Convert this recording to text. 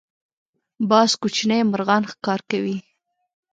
باز کوچني مرغان ښکار کوي